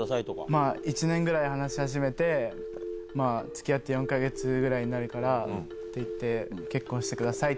まあ、１年ぐらい、話し始めて、まあ、つきあって４か月ぐらいになるからって言って、言った？